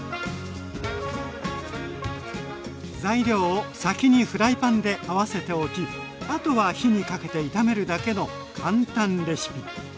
材料を先にフライパンで合わせておきあとは火にかけて炒めるだけの簡単レシピ！